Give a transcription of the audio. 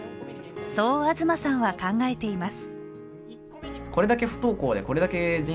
そう東さんは考えています。